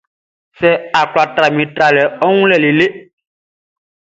Sɛ a kwla tra minʼn, ń trán ɔ wun lɛ lele.